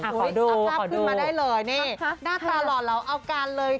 ขอดูขอดูอาภาพขึ้นมาได้เลยนี่หน้าตาหล่อเราเอากันเลย